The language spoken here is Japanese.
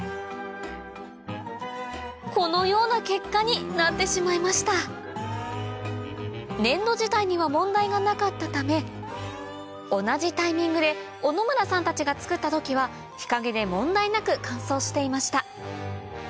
このような結果になってしまいました粘土自体には問題がなかったため同じタイミングで小野村さんたちが作った土器は日陰で問題なく乾燥していました